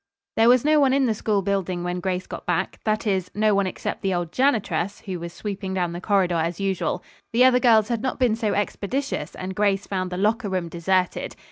There was no one in the school building when Grace got back; that is, no one except the old janitress, who was sweeping down the corridor, as usual. The other girls had not been so expeditious and Grace found the locker room deserted.